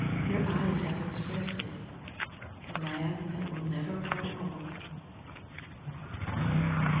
your eyes have expressed it, The land that will never grow old.